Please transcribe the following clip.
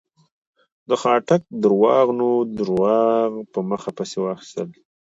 د خاټک درواغو نور درواغ په مخه پسې واخيستل.